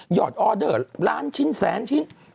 อดออเดอร์ล้านชิ้นแสนชิ้น